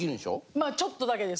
まあちょっとだけです。